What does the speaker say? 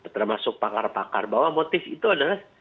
termasuk pakar pakar bahwa motif itu adalah